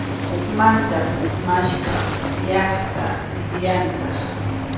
Hukmantas maskhaq llaqta rillantaq.